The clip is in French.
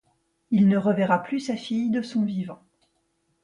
Il ne reverra plus sa fille de son vivant.